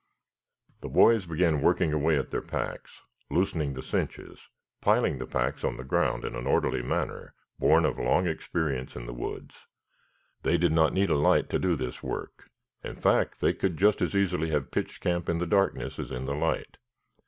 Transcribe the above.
The boys began working away at their packs, loosening the cinches, piling the packs on the ground in an orderly manner born of long experience in the woods. They did not need a light to do this work. In fact, they could just as easily have pitched camp in the darkness as in the light.